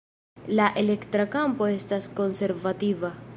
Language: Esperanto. La elektra kampo estas konservativa.